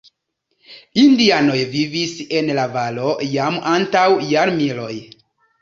Indianoj vivis en la valo jam antaŭ jarmiloj.